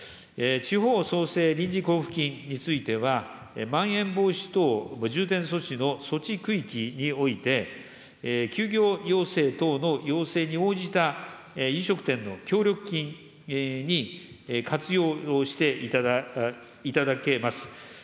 地方創生臨時交付金については、まん延防止等重点措置の措置区域において、休業要請等の要請に応じた飲食店の協力金に活用していただけます。